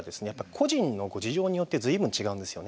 個人の事情によって随分違うんですよね。